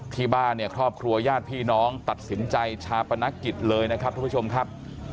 ที่บ้านเนี่ยครอบครัวญาติพี่น้องตัดสินใจชาปนกิจเลยนะครับทุกผู้ชมครับ